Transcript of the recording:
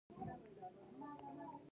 تنوع د افغانستان د سیلګرۍ برخه ده.